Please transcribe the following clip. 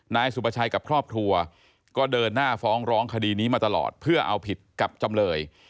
นายสุประชัยกับครอบครัวก็เดินหน้าฟ้องร้องคดีนี้มาตลอดเพื่อเอาผิดกับจำเลย